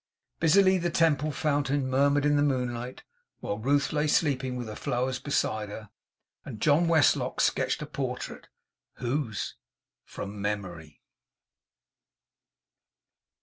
Busily the Temple fountain murmured in the moonlight, while Ruth lay sleeping, with her flowers beside her; and John Westlock sketched a portrait whose? from memory.